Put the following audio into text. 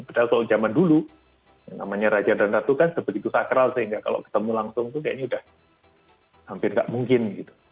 padahal kalau zaman dulu yang namanya raja dan ratu kan sebegitu sakral sehingga kalau ketemu langsung tuh kayaknya udah hampir nggak mungkin gitu